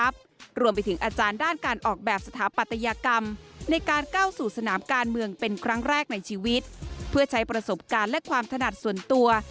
เพื่อใช้ประสบการณ์และความถนัดส่วนตัว